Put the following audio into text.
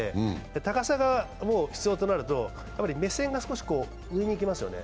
高さが必要となると、目線が上に行きますよね。